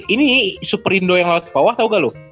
ini super indo yang lewat bawah tau gak lo